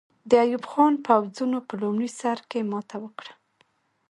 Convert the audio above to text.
د ایوب خان پوځونو په لومړي سر کې ماته وکړه.